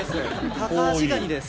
タカアシガニです